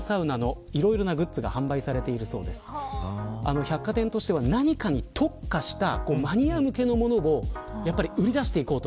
百貨店としては、何かに特化したマニア向けのものを売り出していこうと。